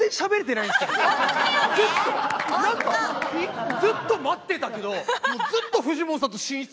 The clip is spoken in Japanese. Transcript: なんかずっと待ってたけどもうずっとフジモンさんとしんいちさん。